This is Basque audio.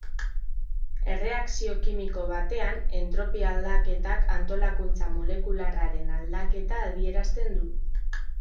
Erreakzio-kimiko batean entropia aldaketak antolakuntza-molekularraren aldaketa adierazten du.